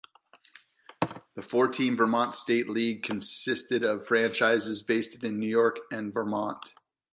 The four–team Vermont State League consisted of franchises based in New York and Vermont.